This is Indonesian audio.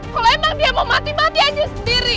kalau emang dia mau mati mati aja sendiri